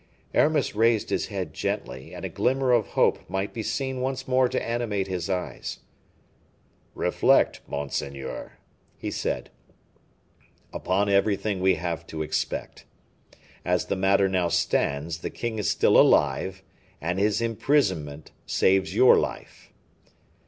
Aramis raised his head gently, and a glimmer of hope might be seen once more to animate his eyes. "Reflect, monseigneur," he said, "upon everything we have to expect. As the matter now stands, the king is still alive, and his imprisonment saves your life."